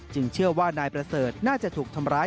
เชื่อว่านายประเสริฐน่าจะถูกทำร้าย